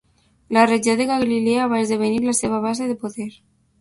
La regió de Galilea va esdevenir la seva base de poder.